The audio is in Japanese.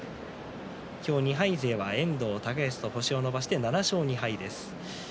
今日２敗勢、遠藤、高安と星を伸ばしています。